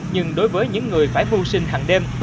nhưng đối với những người phải vô sinh hằng đêm